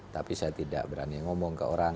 tapi saya tidak berani ngomong ke orang